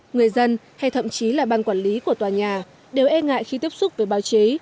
người dân hay thậm chí là ban quản lý của tòa nhà đều e ngại khi tiếp xúc với báo chí